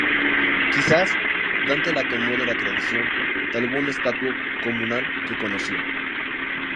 Quizás Dante la tomó de la tradición de algún estatuto comunal que conocía.